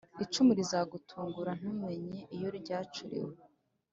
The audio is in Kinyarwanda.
Icumu rizagucungura ntumenya iyo ryacuriwe